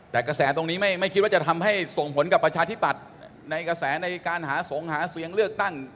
แต่กระแสตรงนี้ไม่คิดว่าจะทำให้ส่งผลกับประชาธิปัตย์ในกระแสในการหาสงฆ์หาเสียงเลือกตั้ง